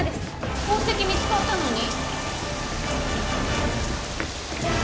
宝石見つかったのに？